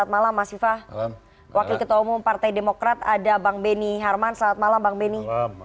selamat malam mas viva wakil ketua umum partai demokrat ada bang benny harman selamat malam bang benny